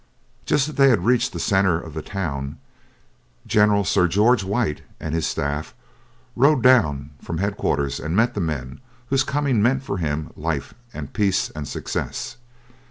Just as they had reached the centre of the town, General Sir George White and his staff rode down from head quarters and met the men whose coming meant for him life and peace and success.